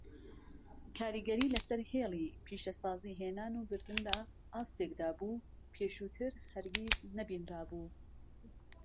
کاریگەری لەسەر هێڵی پیشەسازی هێنان و بردن لە ئاستێکدا بوو پێشووتر هەرگیز نەبینرابوو.